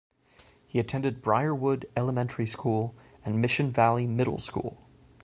He attended Briarwood Elementary School and Mission Valley Middle School.